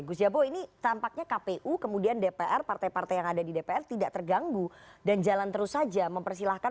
gus jabo ini tampaknya kpu kemudian dpr partai partai yang ada di dpr tidak terganggu dan jalan terus saja mempersilahkan